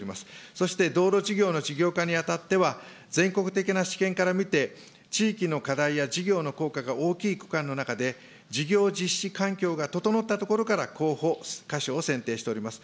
そして道路事業の事業化にあたっては、全国的な知見から見て、地域の課題や事業の効果が大きい区間の中で、事業実施環境が整った所から、候補箇所を選定しております。